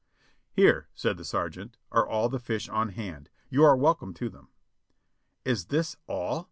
"Here." said the sergeant, "are all the fish on hand; you are welcome to them." "Is this all?"